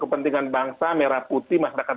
kepentingan bangsa merah putih masyarakat